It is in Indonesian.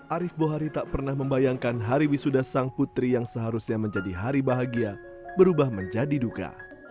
arief bohari tak pernah membayangkan hari wisuda sang putri yang seharusnya menjadi hari bahagia berubah menjadi duka